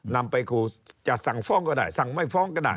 นำไปขู่จะสั่งฟ้องก็ได้สั่งไม่ฟ้องก็ได้